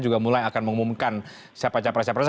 juga mulai akan mengumumkan siapa capres capres